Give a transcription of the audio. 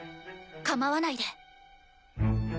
構わないで。